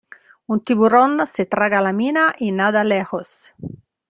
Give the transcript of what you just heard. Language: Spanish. Un tiburón se traga la mina y nada lejos.